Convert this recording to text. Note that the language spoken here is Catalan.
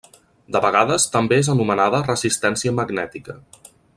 De vegades també és anomenada resistència magnètica.